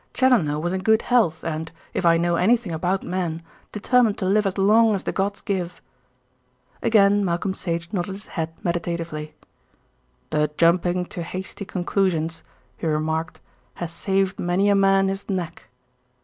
Challoner was in good health and, if I know anything about men, determined to live as long as the gods give." Again Malcolm Sage nodded his head meditatively. "The jumping to hasty conclusions," he remarked, "has saved many a man his neck.